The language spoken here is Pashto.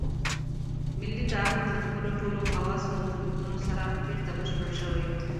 ملي تعهُد له خپلو ټولو خواصو او سنتونو سره بېرته بشپړ شوی.